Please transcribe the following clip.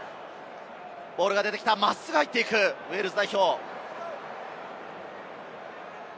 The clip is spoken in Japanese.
ボールが出てきた、真っすぐ入っていくウェールズ代表。